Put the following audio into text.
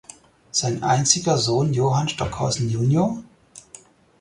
Sein einziger Sohn Johann Stockhausen jun.